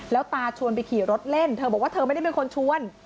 แล้วตาชวนไปขี่รถเล่นเธอบอกว่าเธอไม่ได้เป็นคนชวน